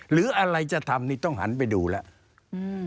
หรืออะไรจะทำนี่ต้องหันไปดูแล้ว